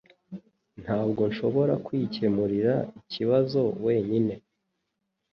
Ntabwo nshobora kwikemurira ikibazo wenyine.